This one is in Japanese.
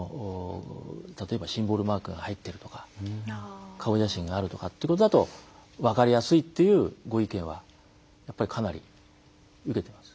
例えばシンボルマークが入ってるとか顔写真があるとかってことだと分かりやすいっていうご意見はやっぱりかなり受けてます